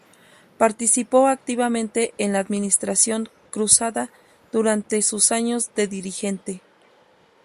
Participó activamente en la administración "cruzada" durante sus años de dirigente.